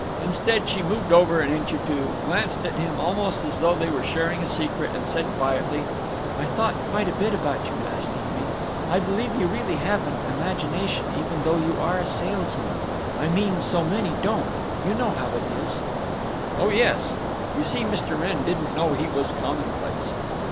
Instead she moved over an inch or two, glanced at him almost as though they were sharing a secret, and said, quietly: "I thought quite a bit about you last evening. I believe you really have an imagination, even though you are a salesman—I mean so many don't; you know how it is." "Oh yes." You see, Mr. Wrenn didn't know he was commonplace.